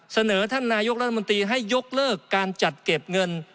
เสนอท่านนายกรัฐมนตรีให้ยกเลิกการจัดเก็บเงิน